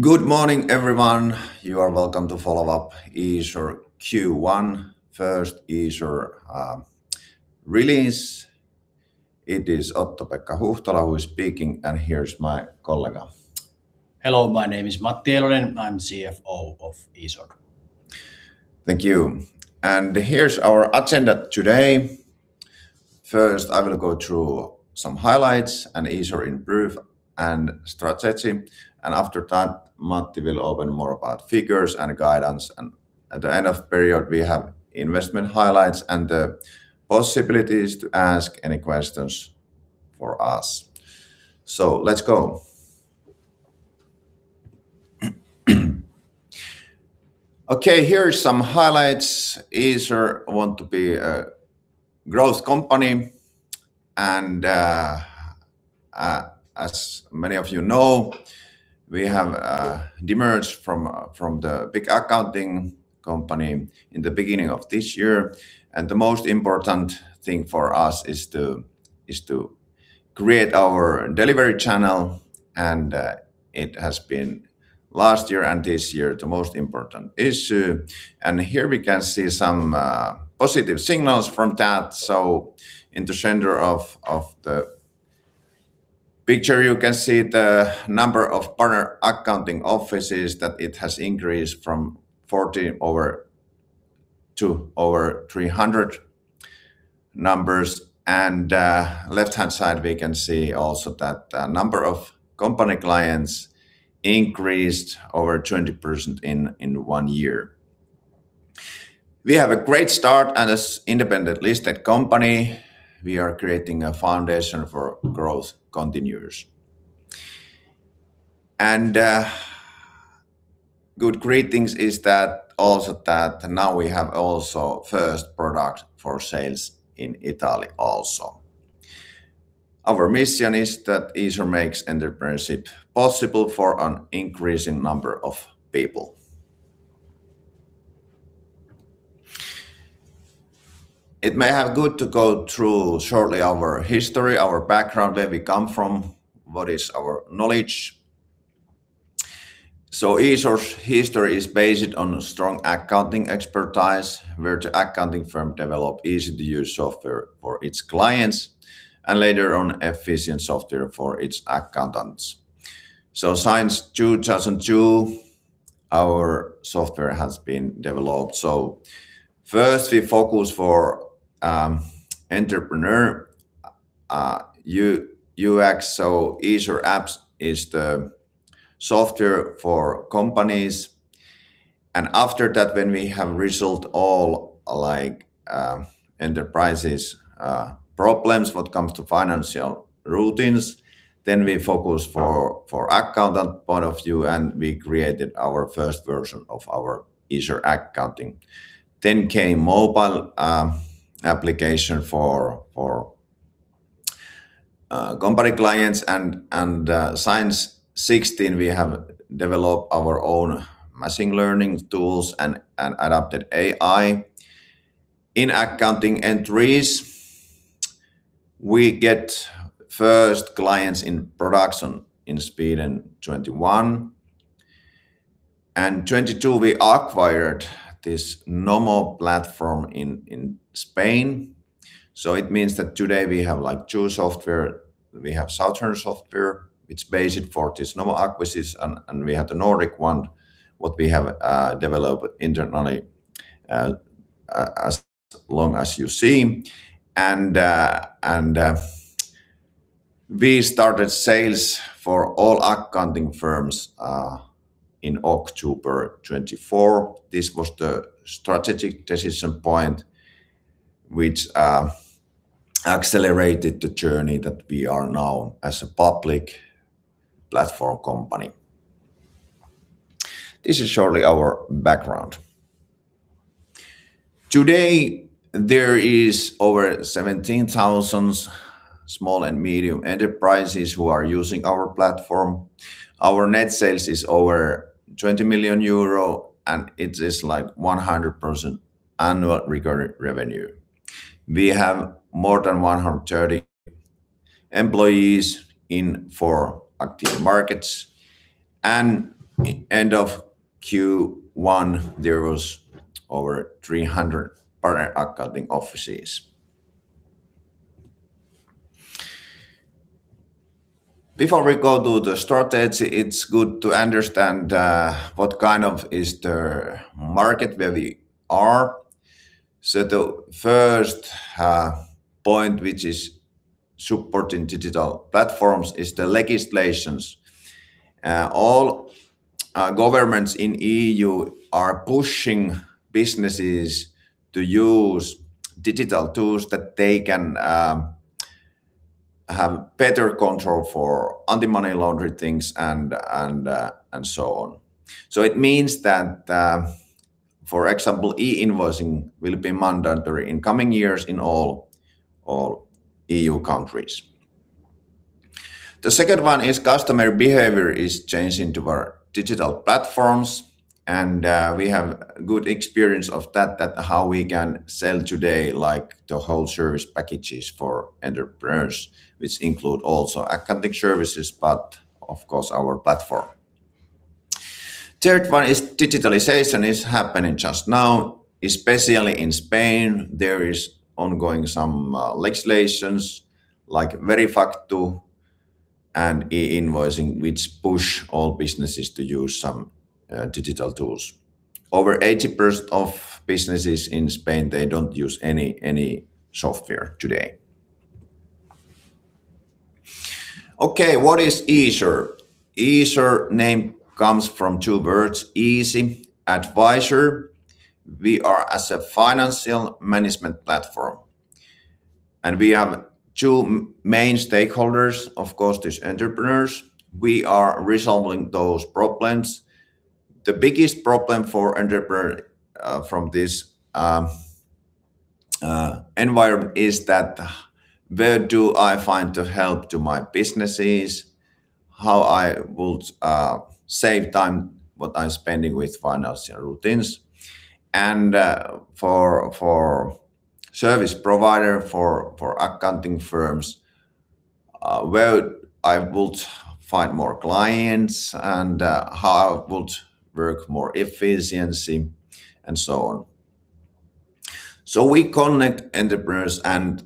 Good morning, everyone. You are welcome to follow up Easor Q1 first Easor release. It is Otto-Pekka Huhtala who is speaking. Here is my colleague. Hello, my name is Matti Eilonen. I'm CFO of Easor. Thank you. Here's our agenda today. First, I will go through some highlights and Easor in brief and strategy. After that, Matti will open more about figures and guidance. At the end of the period, we have investment highlights and the possibilities to ask any questions for us. Let's go. Here are some highlights. Easor want to be a growth company. As many of you know, we have de-merged from the big accounting company in the beginning of this year. The most important thing for us is to create our delivery channel. It has been last year and this year the most important issue. Here we can see some positive signals from that. In the center of the picture, you can see the number of partner accounting offices that it has increased from 40 to over 300 numbers. Left-hand side, we can see also that the number of company clients increased over 20% in one year. We have a great start and as independent listed company, we are creating a foundation for growth continuous. Good greetings is that also that now we have also first product for sales in Italy also. Our mission is that Easor makes entrepreneurship possible for an increasing number of people. It may have good to go through shortly our history, our background, where we come from, what is our knowledge. Easor's history is based on a strong accounting expertise where the accounting firm developed easy-to-use software for its clients, and later on, efficient software for its accountants. Since 2002, our software has been developed. First we focus for entrepreneur, UX. Easor App is the software for companies. After that, when we have resolved all enterprises problems, what comes to financial routines, then we focus for accountant point of view, and we created our first version of our Easor Accounting. Came mobile application for company clients and since 2016, we have developed our own machine learning tools and adopted AI in accounting entries. We get first clients in production in Sweden in 2021. 2022, we acquired this Nomo platform in Spain. It means that today we have two software. We have southern software, which based for this Nomo acquisition, and we have the Nordic one, what we have developed internally as long as you see. We started sales for all accounting firms in October 2024. This was the strategic decision point which accelerated the journey that we are now as a public platform company. This is surely our background. Today, there is over 17,000 small and medium enterprises who are using our platform. Our net sales is over 20 million euro, and it is 100% annual recurring revenue. We have more than 130 employees in four active markets. End of Q1, there was over 300 partner accounting offices. Before we go to the strategy, it's good to understand what kind of is the market where we are. The first point, which is supporting digital platforms, is the legislations. All governments in EU are pushing businesses to use digital tools that they can have better control for anti-money laundering things and so on. It means that, for example, e-invoicing will be mandatory in coming years in all EU countries. The second one is customer behavior is changing toward digital platforms. We have good experience of that, how we can sell today, like the whole service packages for entrepreneurs, which include also accounting services, but of course our platform. Third one is digitalization is happening just now, especially in Spain. There is ongoing some legislations like VeriFactu and e-invoicing, which push all businesses to use some digital tools. Over 80% of businesses in Spain, they don't use any software today. Okay, what is Easor? Easor name comes from two words, easy, advisor. We are as a financial management platform, and we have two main stakeholders, of course, these entrepreneurs. We are resolving those problems. The biggest problem for entrepreneur from this environment is that where do I find the help to my businesses? How I would save time what I'm spending with financial routines? For service provider, for accounting firms, where I would find more clients and how it would work more efficiency and so on. We connect entrepreneurs and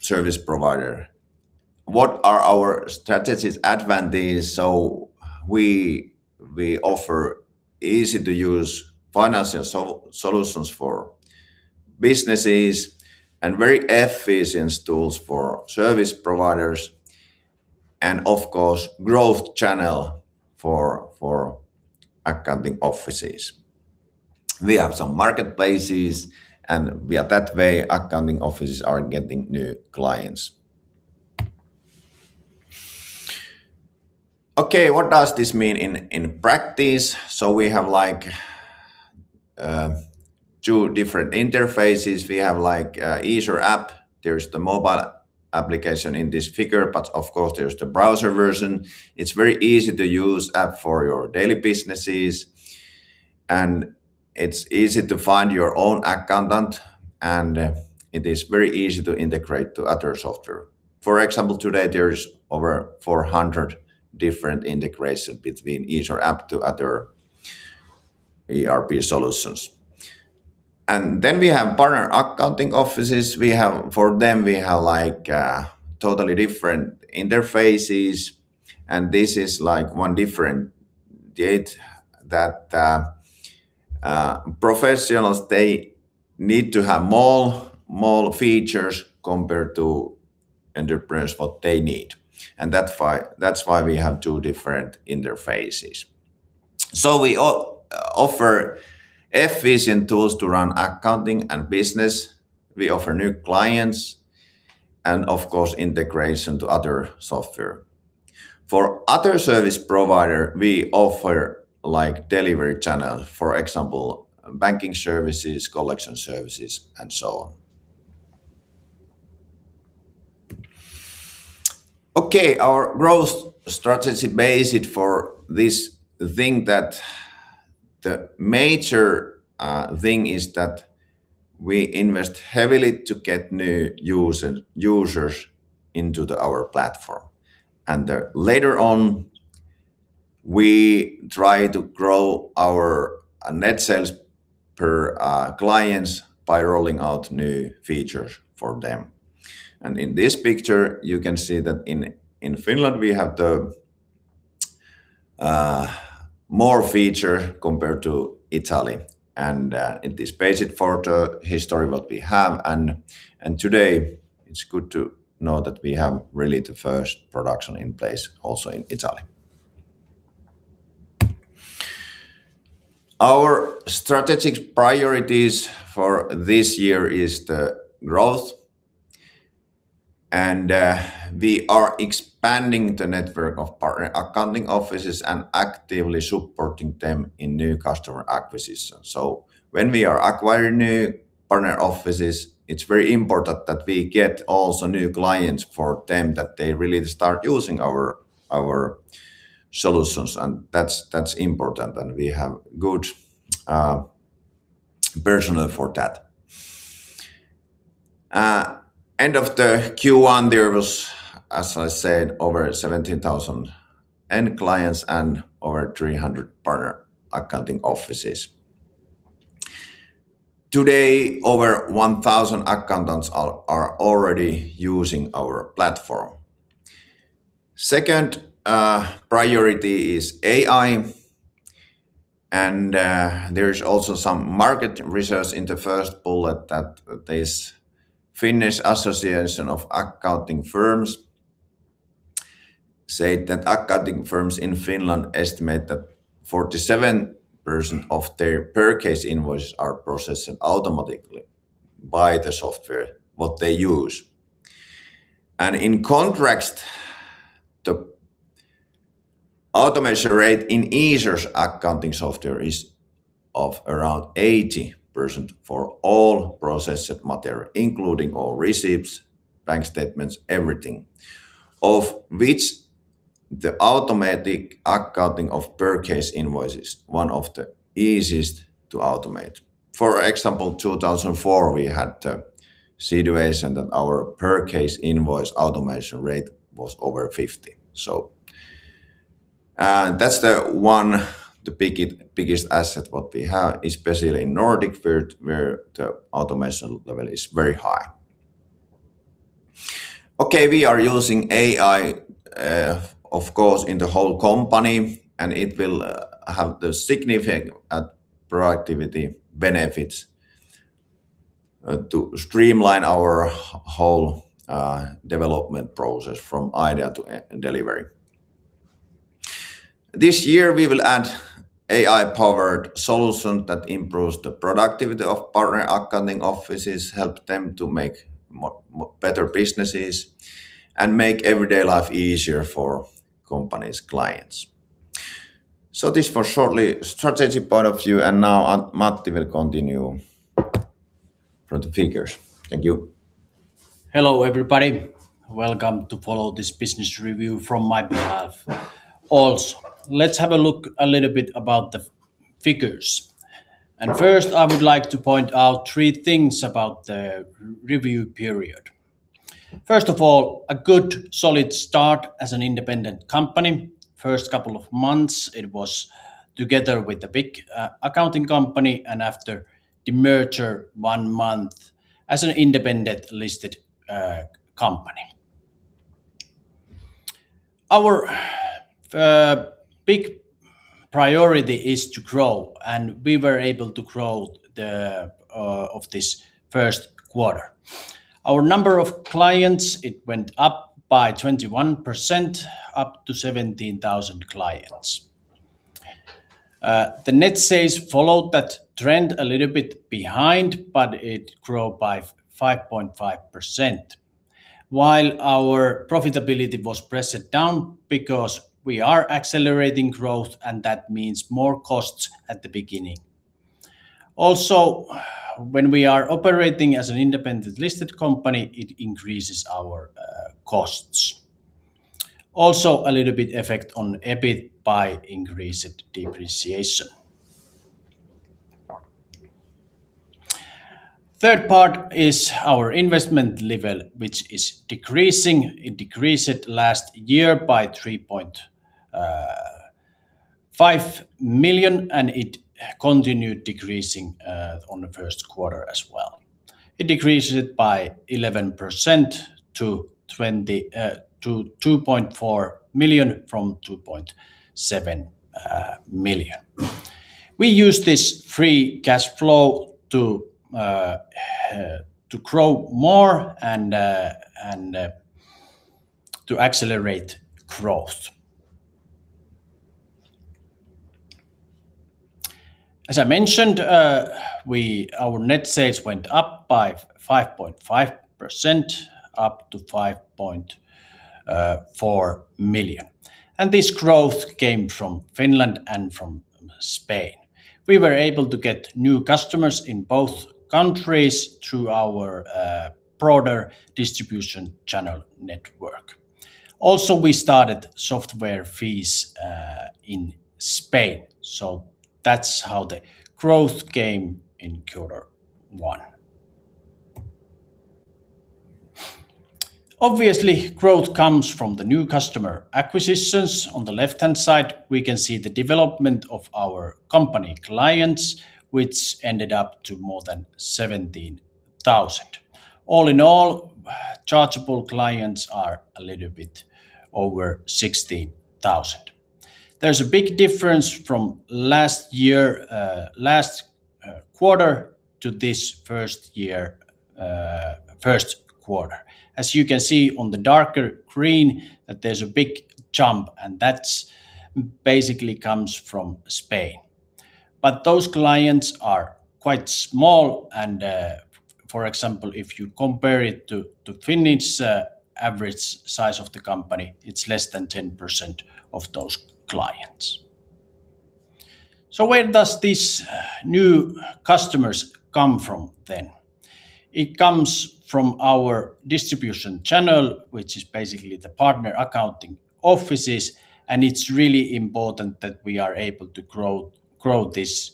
service provider. What are our strategic advantage? We offer easy-to-use financial solutions for businesses and very efficient tools for service providers and, of course, growth channel for accounting offices. We have some marketplaces, and we have that way accounting offices are getting new clients. Okay, what does this mean in practice? We have two different interfaces. We have Easor App. There's the mobile application in this figure, but of course, there's the browser version. It's very easy-to-use app for your daily businesses, and it's easy to find your own accountant, and it is very easy to integrate to other software. For example, today there is over 400 different integration between Easor App to other ERP solutions. We have partner accounting offices. For them, we have totally different interfaces, and this is one different need that professionals, they need to have more features compared to entrepreneurs, what they need. That's why we have two different interfaces. We offer efficient tools to run accounting and business. We offer new clients and, of course, integration to other software. For other service providers, we offer delivery channels, for example, banking services, collection services, and so on. Our growth strategy basic for this thing that the major thing is that we invest heavily to get new users into our platform. Later on, we try to grow our net sales per client by rolling out new features for them. In this picture, you can see that in Finland, we have the more feature compared to Italy, and it is basic for the history what we have. Today it's good to know that we have really the first production in place also in Italy. Our strategic priorities for this year is the growth, and we are expanding the network of partner accounting offices and actively supporting them in new customer acquisition. When we are acquiring new partner offices, it's very important that we get also new clients for them, that they really start using our solutions, and that's important, and we have good personnel for that. End of the Q1, there was, as I said, over 17,000 end clients and over 300 partner accounting offices. Today, over 1,000 accountants are already using our platform. Second priority is AI. There is also some market research in the first bullet that this Finnish Association of Accounting Firms say that accounting firms in Finland estimate that 47% of their purchase invoices are processed automatically by the software what they use. In contrast, the automation rate in Easor's accounting software is around 80% for all processed material, including all receipts, bank statements, everything. Of which the automatic accounting of purchase invoices, one of the easiest to automate. For example, 2004, we had a situation that our purchase invoice automation rate was over 50%. That's the one, the biggest asset what we have, especially in Nordic world, where the automation level is very high. We are using AI, of course, in the whole company. It will have the significant productivity benefits, to streamline our whole development process from idea to delivery. This year we will add AI-powered solution that improves the productivity of partner accounting offices, help them to make better businesses, and make everyday life easier for company's clients. This was shortly strategy point of view. Now Matti will continue from the figures. Thank you. Hello, everybody. Welcome to follow this business review from my behalf also. Let's have a look a little bit about the figures. First, I would like to point out three things about the review period. First of all, a good solid start as an independent company. First couple of months, it was together with a big accounting company, and after the merger, one month as an independent listed company. Our big priority is to grow. We were able to grow of this first quarter. Our number of clients, it went up by 21%, up to 17,000 clients. The net sales followed that trend a little bit behind. It grew by 5.5%, while our profitability was pressed down because we are accelerating growth. That means more costs at the beginning. Also, when we are operating as an independent listed company, it increases our costs. A little bit effect on EBIT by increased depreciation. Third part is our investment level, which is decreasing. It decreased last year by 3.5 million, and it continued decreasing on the first quarter as well. It decreased by 11% to 2.4 million from 2.7 million. We use this free cash flow to grow more and to accelerate growth. As I mentioned, our net sales went up by 5.5%, up to 5.4 million. This growth came from Finland and from Spain. We were able to get new customers in both countries through our broader distribution channel network. We started software fees in Spain, that's how the growth came in quarter one. Obviously, growth comes from the new customer acquisitions. On the left-hand side, we can see the development of our company clients, which ended up to more than 17,000. All in all, chargeable clients are a little bit over 16,000. There's a big difference from last year, last quarter to this first year, first quarter. As you can see, on the darker ring, there's a big chunk, and that's basically comes from Spain. Those clients are quite small and, for example, if you compare it to Finnish average size of the company, it's less than 10% of those clients. Where does these new customers come from, then? It comes from our distribution channel, which is basically the partner accounting offices, and it's really important that we are able to grow this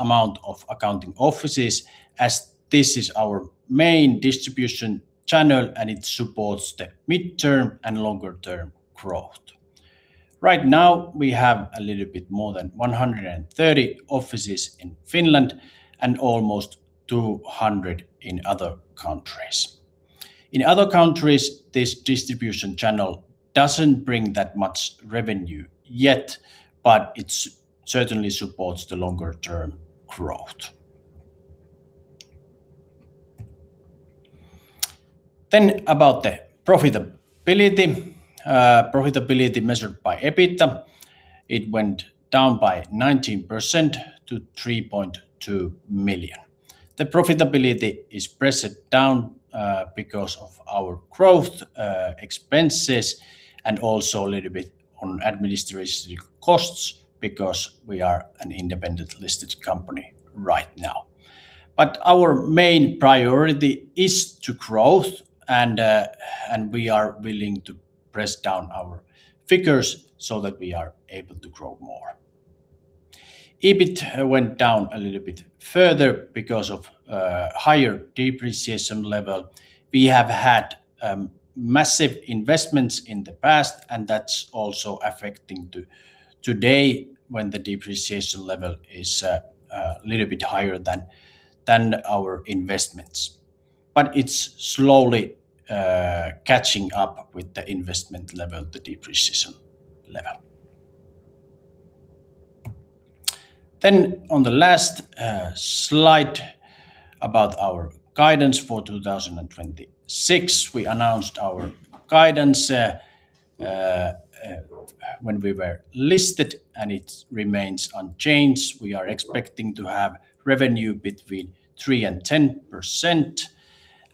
amount of accounting offices, as this is our main distribution channel, and it supports the midterm and longer-term growth. Right now, we have a little bit more than 130 offices in Finland and almost 200 in other countries. In other countries, this distribution channel doesn't bring that much revenue yet, but it certainly supports the longer-term growth. About the profitability. Profitability measured by EBITA. It went down by 19% to 3.2 million. The profitability is pressed down because of our growth expenses and also a little bit on administrative costs because we are an independent listed company right now. Our main priority is to grow, and we are willing to press down our figures so that we are able to grow more. EBIT went down a little bit further because of higher depreciation level. We have had massive investments in the past, and that's also affecting today when the depreciation level is a little bit higher than our investments. It's slowly catching up with the investment level, the depreciation level. On the last slide about our guidance for 2026. We announced our guidance when we were listed, and it remains unchanged. We are expecting to have revenue between 3% and 10%,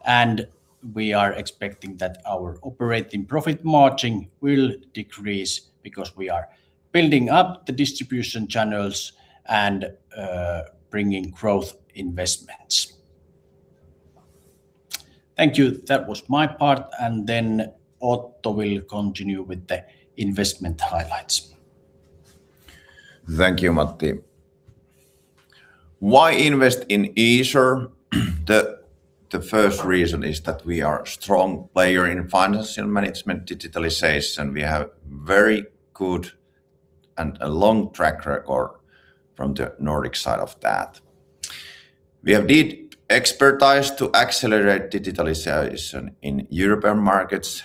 and we are expecting that our operating profit margin will decrease because we are building up the distribution channels and bringing growth investments. Thank you. That was my part, and then Otto will continue with the investment highlights. Thank you, Matti. Why invest in Easor? The first reason is that we are a strong player in financial management digitalization. We have very good and a long track record from the Nordic side of that. We have deep expertise to accelerate digitalization in European markets.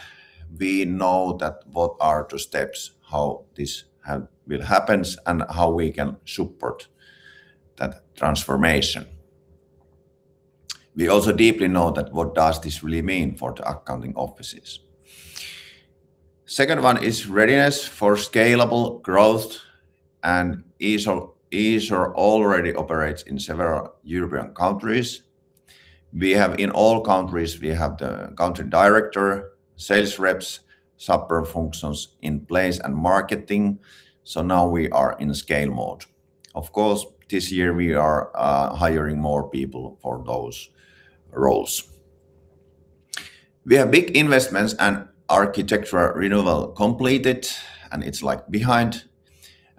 We know what are the steps, how this will happen, and how we can support that transformation. We also deeply know what this really means for the accounting offices. Second one is readiness for scalable growth, and Easor already operates in several European countries. In all countries, we have the country director, sales reps, support functions in place, and marketing. Now we are in scale mode. Of course, this year we are hiring more people for those roles. We have big investments and architectural renewal completed, and it's behind.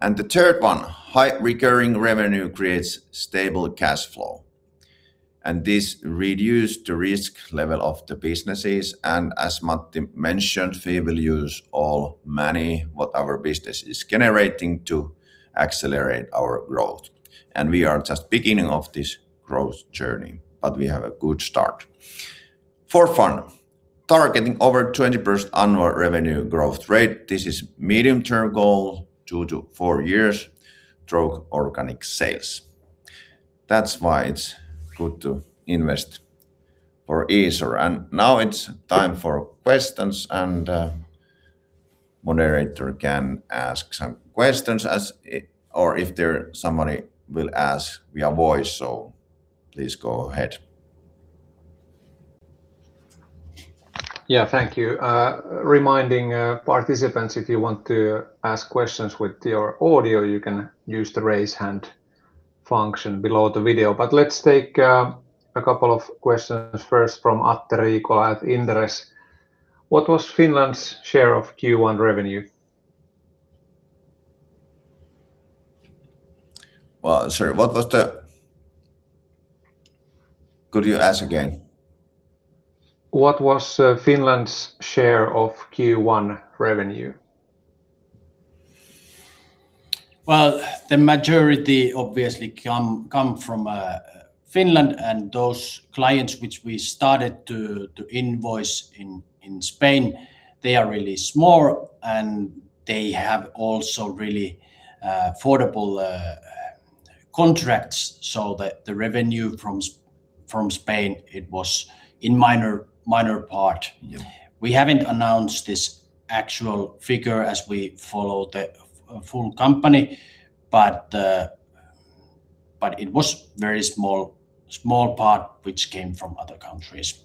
The third one, high recurring revenue creates stable cash flow, and this reduces the risk level of the businesses. As Matti mentioned, we will use all money what our business is generating to accelerate our growth. We are just beginning of this growth journey, but we have a good start. Fourth one, targeting over 20% annual revenue growth rate. This is medium-term goal, two to four years, through organic sales. That's why it's good to invest for Easor. Now it's time for questions, and moderator can ask some questions or if there somebody will ask via voice, so please go ahead. Thank you. Reminding participants, if you want to ask questions with your audio, you can use the raise hand function below the video. Let's take a couple of questions first from Atte Riikola at Inderes. What was Finland's share of Q1 revenue? Sorry. Could you ask again? What was Finland's share of Q1 revenue? Well, the majority obviously come from Finland and those clients which we started to invoice in Spain, they are really small, and they have also really affordable contracts so that the revenue from Spain, it was in minor part. Yeah. We haven't announced this actual figure as we follow the full company, but it was very small part which came from other countries.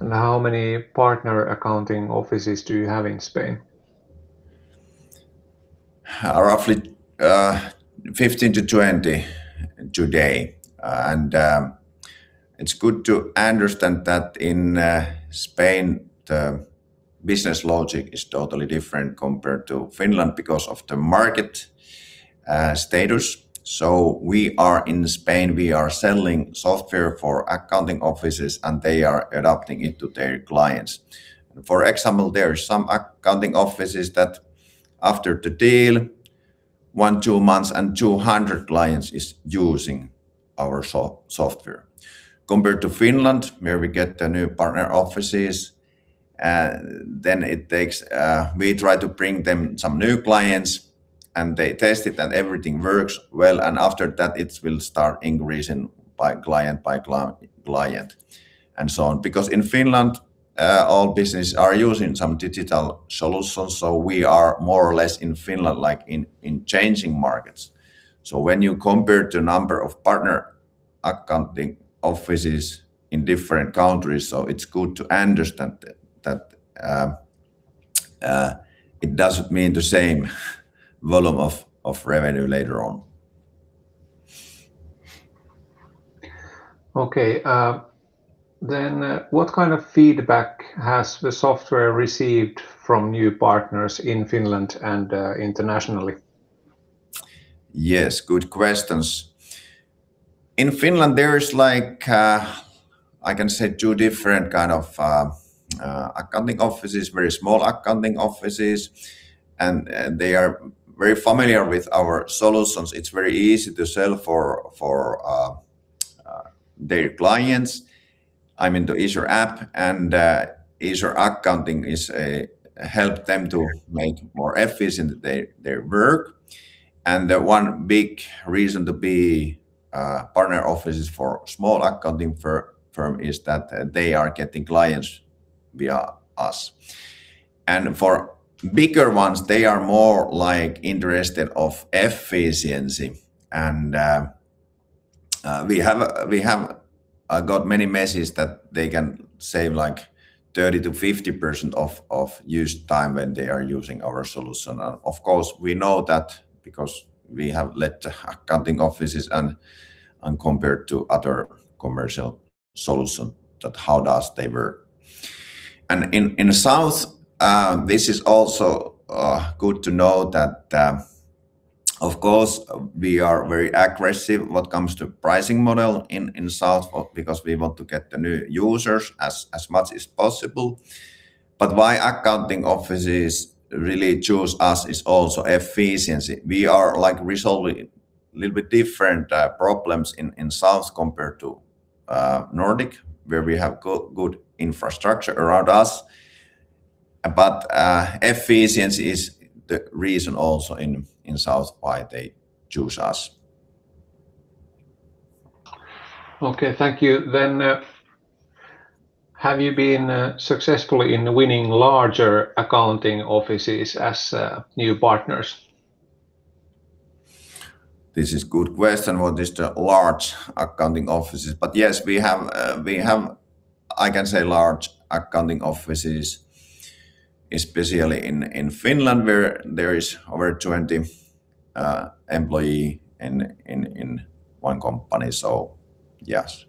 How many partner accounting offices do you have in Spain? Roughly 15-20 today. It's good to understand that in Spain, the business logic is totally different compared to Finland because of the market status. In Spain, we are selling software for accounting offices, and they are adapting it to their clients. For example, there are some accounting offices that after the deal, one, two months and 200 clients is using our software. Compared to Finland, where we get the new partner offices, we try to bring them some new clients, and they test it that everything works well, and after that it will start increasing by client, by client, and so on. In Finland, all businesses are using some digital solutions, we are more or less in Finland, in changing markets. When you compare the number of partner accounting offices in different countries, it's good to understand that it doesn't mean the same volume of revenue later on. Okay. What kind of feedback has the software received from new partners in Finland and internationally? Yes, good questions. In Finland, there is, I can say, two different kind of accounting offices, very small accounting offices, and they are very familiar with our solutions. It's very easy to sell for their clients, I mean, the Easor App, and Easor Accounting helps them to make more efficient their work. One big reason to be partner offices for small accounting firm is that they are getting clients via us. For bigger ones, they are more interested of efficiency. We have got many messages that they can save 30%-50% of used time when they are using our solution. Of course, we know that because we have let accounting offices and compared to other commercial solution that how does they work. In South, this is also good to know that, of course, we are very aggressive when it comes to pricing model in South because we want to get the new users as much as possible. Why accounting offices really choose us is also efficiency. We are resolving little bit different problems in South compared to Nordic, where we have good infrastructure around us. Efficiency is the reason also in South why they choose us. Okay, thank you. Have you been successful in winning larger accounting offices as new partners? This is good question. What is the large accounting offices? Yes, we have, I can say, large accounting offices, especially in Finland, where there is over 20 employee in one company. Yes.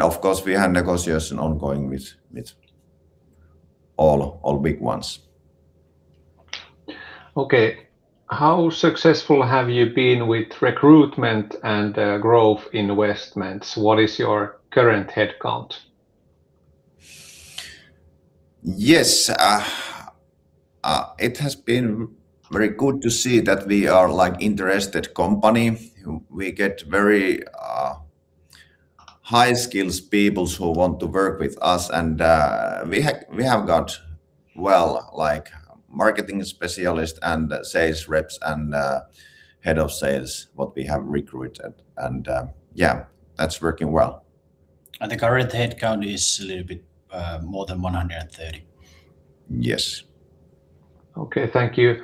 Of course, we have negotiation ongoing with all big ones. Okay. How successful have you been with recruitment and growth investments? What is your current headcount? Yes. It has been very good to see that we are interested company. We get very high skills peoples who want to work with us, and we have got well, marketing specialist and sales reps and head of sales, what we have recruited. Yeah, that's working well. The current headcount is a little bit more than 130. Yes. Okay, thank you.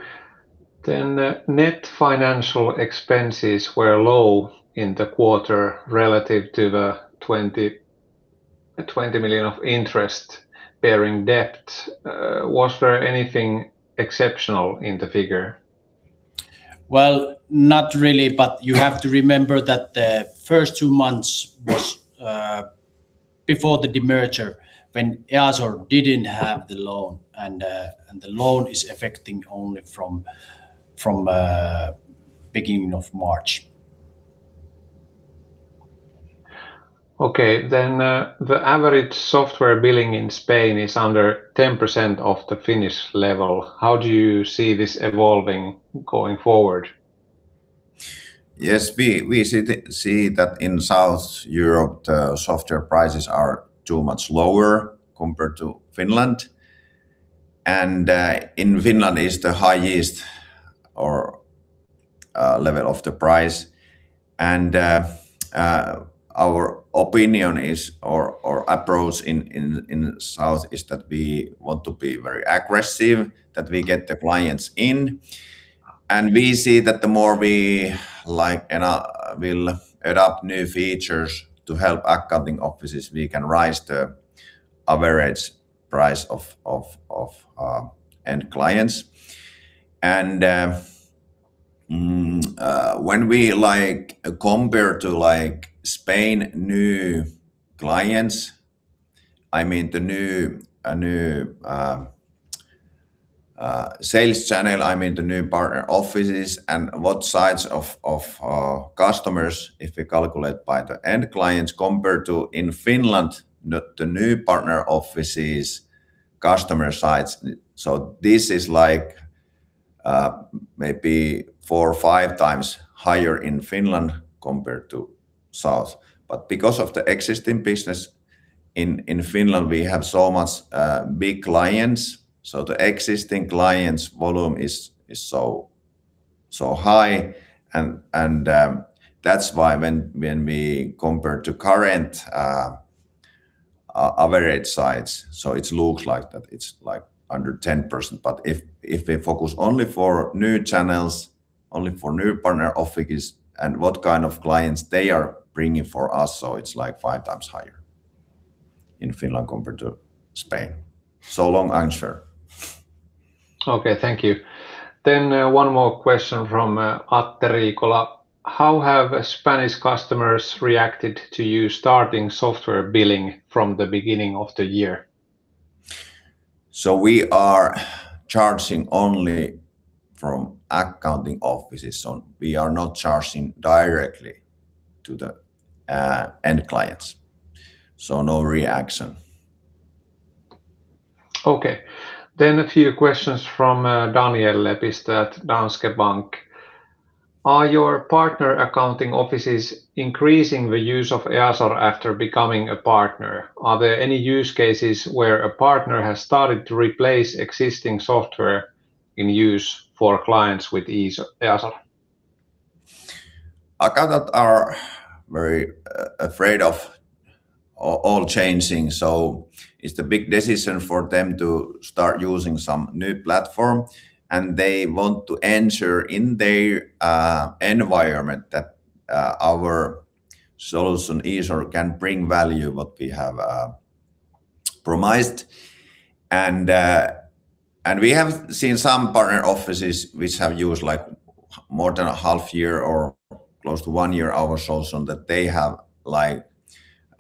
Net financial expenses were low in the quarter relative to the 20 million of interest-bearing debt. Was there anything exceptional in the figure? Well, not really, but you have to remember that the first two months was before the demerger, when Easor didn't have the loan, and the loan is affecting only from beginning of March. Okay. The average software billing in Spain is under 10% of the Finnish level. How do you see this evolving going forward? Yes, we see that in South Europe, the software prices are too much lower compared to Finland. In Finland is the highest level of the price. Our opinion is, or approach in South is that we want to be very aggressive, that we get the clients in, and we see that the more we'll adopt new features to help accounting offices, we can raise the average price of end clients. When we compare to Spain new clients, I mean the new sales channel, I mean the new partner offices and what size of customers, if we calculate by the end clients compared to in Finland, the new partner offices customer size. This is maybe four or five times higher in Finland compared to South. Because of the existing business in Finland, we have so much big clients, so the existing clients volume is so high. That's why when we compare to current average sites, it looks like that it's under 10%. If we focus only for new channels, only for new partner offices, and what kind of clients they are bringing for us, it's five times higher in Finland compared to Spain. Long answer. Okay, thank you. One more question from Atte Riikola. How have Spanish customers reacted to you starting software billing from the beginning of the year? We are charging only from accounting offices. We are not charging directly to the end clients. No reaction. Okay. A few questions from Daniel Lepistö, Danske Bank. Are your partner accounting offices increasing the use of Easor after becoming a partner? Are there any use cases where a partner has started to replace existing software in use for clients with Easor? Accountants are very afraid of all changing, so it's the big decision for them to start using some new platform, and they want to ensure in their environment that our solution, Easor, can bring value what we have promised. We have seen some partner offices which have used more than a half year or close to one year our solution that they have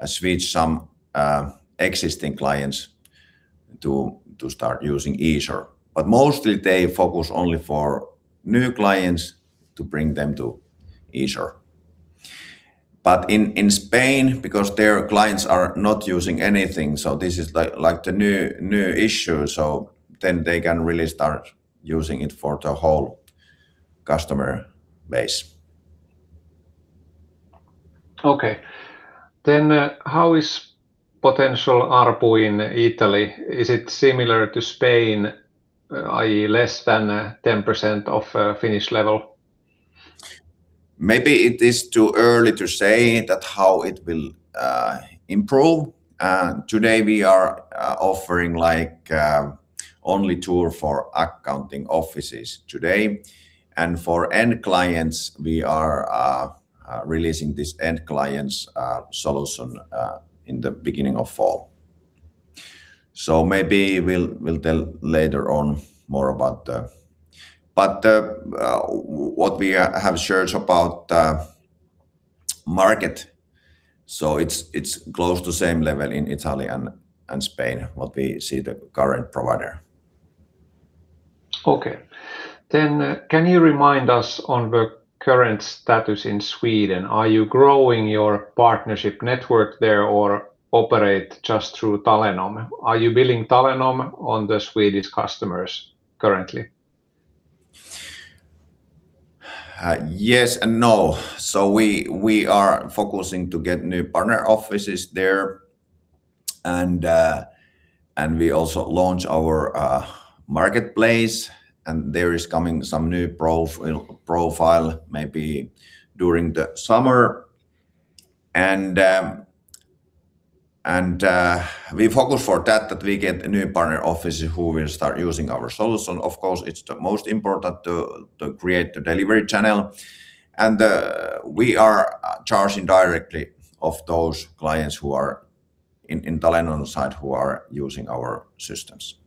switched some existing clients to start using Easor. Mostly they focus only for new clients to bring them to Easor. In Spain, because their clients are not using anything, so this is the new issue, so then they can really start using it for the whole customer base. Okay. How is potential ARPU in Italy? Is it similar to Spain, i.e., less than 10% of Finnish level? Maybe it is too early to say that how it will improve. Today we are offering only tool for accounting offices today, and for end clients, we are releasing this end clients solution in the beginning of fall. Maybe we'll tell later on more about that. What we have shared about market, so it's close to same level in Italy and Spain, what we see the current provider. Okay. Can you remind us on the current status in Sweden? Are you growing your partnership network there or operate just through Talenom? Are you billing Talenom on the Swedish customers currently? Yes and no. We are focusing to get new partner offices there, and we also launch our marketplace, and there is coming some new profile maybe during the summer. We focus for that we get a new partner office who will start using our solution. Of course, it's the most important to create the delivery channel. We are charging directly of those clients who are in Talenom side who are using our systems.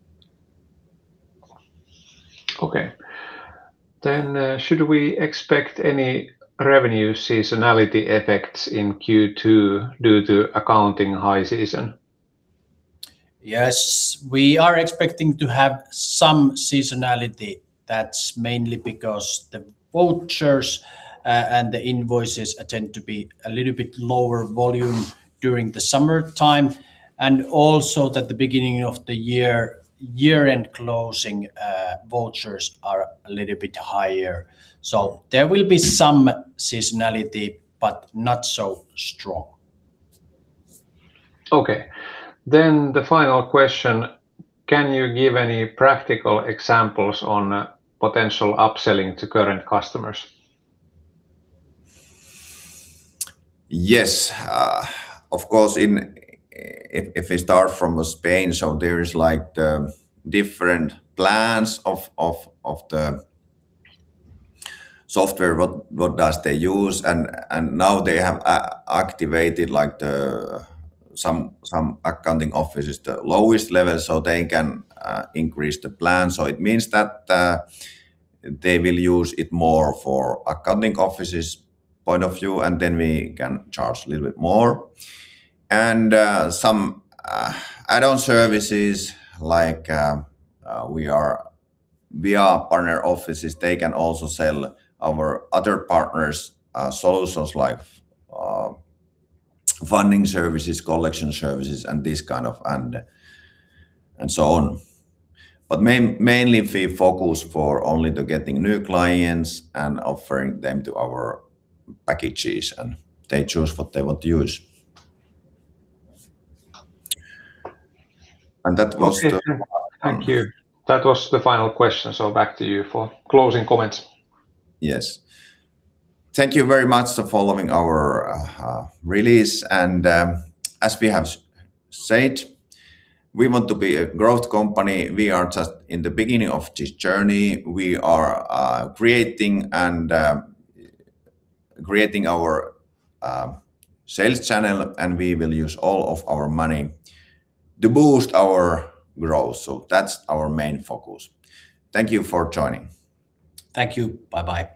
Okay. Should we expect any revenue seasonality effects in Q2 due to accounting high season? Yes, we are expecting to have some seasonality. That's mainly because the vouchers, and the invoices tend to be a little bit lower volume during the summertime, and also that the beginning of the year-end closing vouchers are a little bit higher. There will be some seasonality, but not so strong. Okay. The final question, can you give any practical examples on potential upselling to current customers? Yes. If we start from Spain, there is the different plans of the software, what does they use, and now they have activated some accounting offices the lowest level, they can increase the plan. It means that they will use it more for accounting offices' point of view, we can charge a little bit more. Some add-on services, like via partner offices, they can also sell our other partners solutions like funding services, collection services. Mainly we focus for only to getting new clients and offering them to our packages, they choose what they want to use. Thank you. That was the final question, back to you for closing comments. Yes. Thank you very much for following our release. As we have said, we want to be a growth company. We are just in the beginning of this journey. We are creating our sales channel, we will use all of our money to boost our growth. That's our main focus. Thank you for joining. Thank you. Bye-bye.